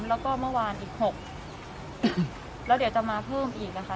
แล้วก็เมื่อวานอีก๖แล้วเดี๋ยวจะมาเพิ่มอีกอะค่ะ